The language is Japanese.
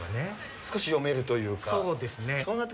少し読めるというか。